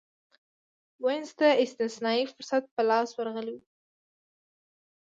وینز ته استثنايي فرصت په لاس ورغلی و